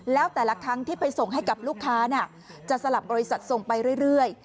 แล้วแต่ละครั้งที่ไปส่งให้กับลูกค้าจะสลับบริษัทส่งไปเรื่อย